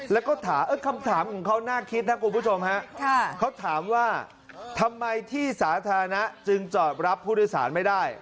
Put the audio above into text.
แล้วก็ถามคำถามของเขาน่าคิดนะคุณผู้ชมฮะเขาถามว่าทำไมที่สาธารณะจึงจอดรับผู้โดยสารไม่ได้